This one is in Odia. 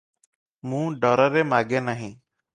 ମୁଁ ଡରରେ ମାଗେ ନାହିଁ ।